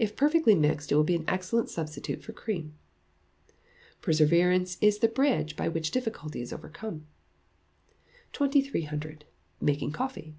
If perfectly mixed, it will be an excellent substitute for cream. [PERSEVERANCE IS THE BRIDGE BY WHICH DIFFICULTY IS OVERCOME.] 2300. Making Coffee.